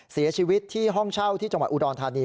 เสียชีวิตที่ห้องเช่าที่จังหวัดอุดรธานี